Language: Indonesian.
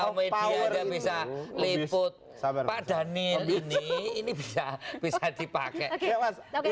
media yang bisa liput pak daniel ini bisa dipakai